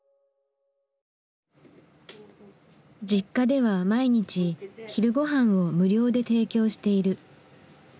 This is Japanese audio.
Ｊｉｋｋａでは毎日昼ごはんを無料で提供している。